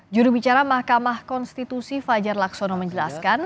jurubicara mahkamah konstitusi fajar laksono menjelaskan